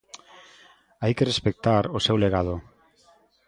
Hai que respectar o seu legado.